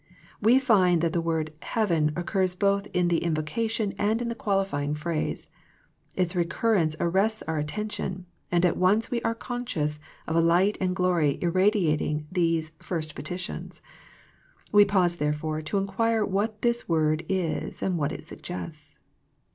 We find that the word ''heaven " occurs both in the invocation and in the qualifying phrase. Its recurrence arrests our attention, and at once we are conscious of a light and glory irradiating these first petitions. We pause therefore to inquire what this word is and what it suggests.